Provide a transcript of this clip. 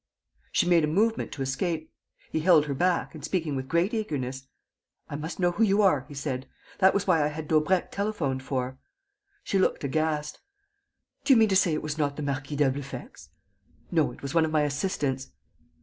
She made a movement to escape. He held her back and, speaking with great eagerness: "I must know who you are," he said. "That was why I had Daubrecq telephoned for." She looked aghast: "Do you mean to say it was not the Marquis d'Albufex?" "No, it was one of my assistants."